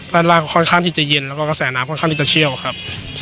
ด้านล่างก็ค่อนข้างที่จะเย็นแล้วก็กระแสน้ำค่อนข้างที่จะเชี่ยวครับ